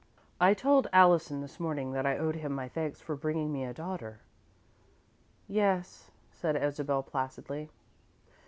"I told Allison this morning that I owed him my thanks for bringing me a daughter." "Yes," said Isabel, placidly.